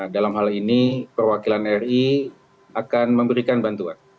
dalam hal ini perwakilan ri akan memberikan bantuan